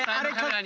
って。